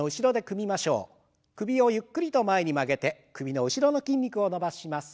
首をゆっくりと前に曲げて首の後ろの筋肉を伸ばします。